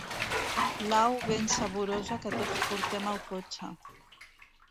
L'au ben saborosa que tots portem al cotxe.